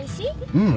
うん！